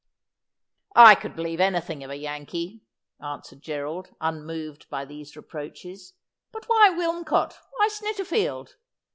' I could believe anything of a Yankee,' answered Gerald, unmoved by these reproaches. ' But why Wilmcote ? why Snitterfield